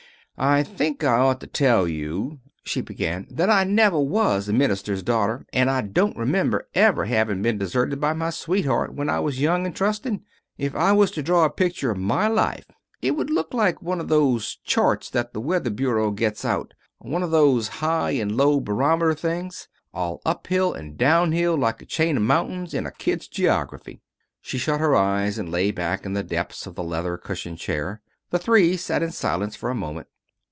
"I think I ought to tell you," she began, "that I never was a minister's daughter, and I don't remember ever havin' been deserted by my sweetheart when I was young and trusting. If I was to draw a picture of my life it would look like one of those charts that the weather bureau gets out one of those high and low barometer things, all uphill and downhill like a chain of mountains in a kid's geography." She shut her eyes and lay back in the depths of the leather cushioned chair. The three sat in silence for a moment.